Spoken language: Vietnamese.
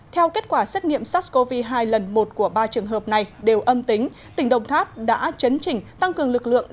theo kết quả xét nghiệm sars cov hai lần một của ba trường hợp này đều âm tính tỉnh đồng tháp đã chấn chỉnh tăng cường lực lượng